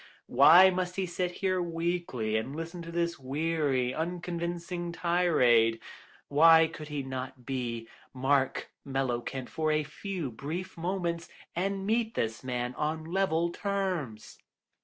Why must he sit here weakly and listen to this weary, unconvincing tirade, why could he not be Mark Mellowkent for a few brief moments, and meet this man on level terms?